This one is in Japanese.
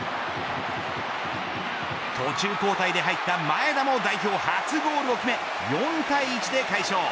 途中交代で入った前田も代表初ゴールを決め４対１で快勝。